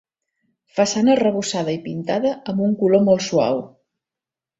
Façana arrebossada i pintada amb un color molt suau.